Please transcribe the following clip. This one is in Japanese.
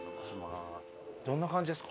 どんな感じですか？